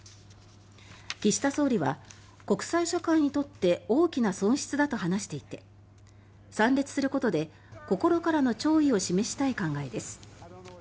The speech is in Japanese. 岸田総理は国際社会にとって大きな損失だと話していて参列することで、心からの弔意を示したい考えです。